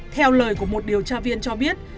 theo lời của một điều tra viên cho biết